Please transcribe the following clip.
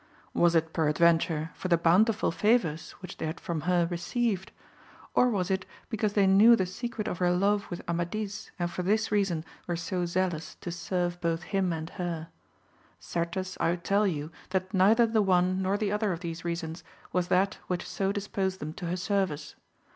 Was it peradventure for the bountiful favours which they had from her received ? Or was it because they knew the secret of her love with Amadis and for this reason were so aealous to serve both him and her 1 Certes 1 tell you that neither the one nor the other of these reasons was that which so disposed them to her service.